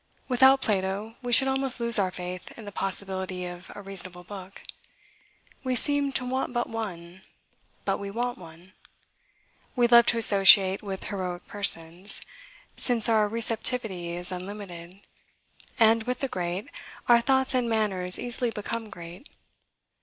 Without Plato, we should almost lose our faith in the possibility of a reasonable book. We seem to want but one, but we want one. We love to associate with heroic persons, since our receptivity is unlimited; and, with the great, our thoughts and manners easily become great.